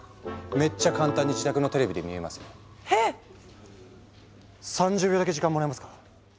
めっちゃ簡単に自宅のテレビで見れますよ。へ⁉３０秒だけ時間もらえますか？